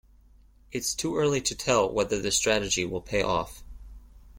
It's too early to tell whether the strategy will pay off.